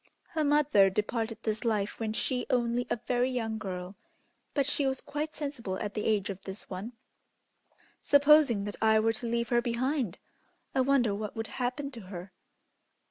Her mother departed this life when she only a very young girl, but she was quite sensible at the age of this one. Supposing that I were to leave her behind, I wonder what would happen to her!"